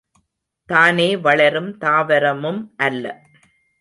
தானே வளரும் தாவரமும் அல்ல.